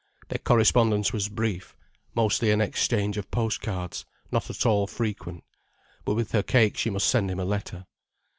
Their correspondence was brief, mostly an exchange of post cards, not at all frequent. But with her cake she must send him a letter.